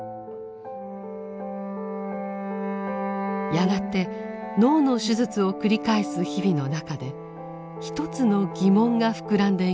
やがて脳の手術を繰り返す日々の中で一つの疑問が膨らんでいきます。